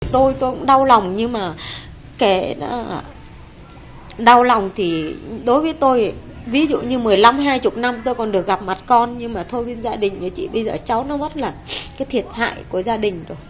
tôi tôi cũng đau lòng nhưng mà kẻ đau lòng thì đối với tôi ví dụ như một mươi năm hai mươi năm tôi còn được gặp mặt con nhưng mà thôi bên gia đình với chị bây giờ cháu nó mất là cái thiệt hại của gia đình rồi